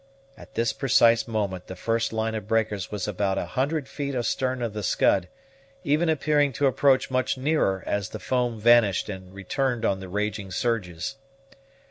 At this precise moment the first line of breakers was about a hundred feet astern of the Scud, even appearing to approach much nearer as the foam vanished and returned on the raging surges.